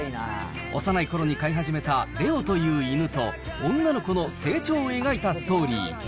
幼いころに飼い始めたレオという犬と、女の子の成長を描いたストーリー。